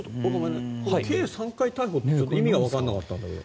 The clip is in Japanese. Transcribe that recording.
計３回逮捕って意味が分からなかったんだけど。